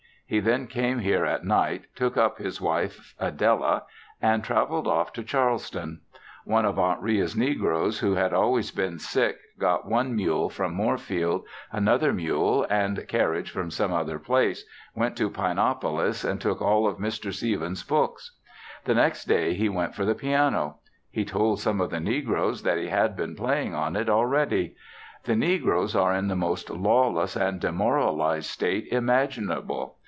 He then came here at night, took up his wife Adela and traveled off to Charleston. One of Aunt Ria's negroes who had always been sick got one mule from Moorfield, another mule and carriage from some other place, went to Pinopolis and took all of Mr. Stevens's books. The next day he went for the piano. He told some of the negroes that he had been playing on it already. The negroes are in the most lawless and demoralized state imaginable.